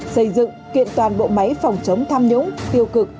xây dựng kiện toàn bộ máy phòng chống tham nhũng tiêu cực